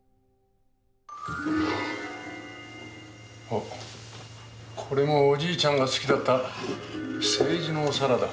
あっこれもおじいちゃんが好きだった青磁のお皿だ。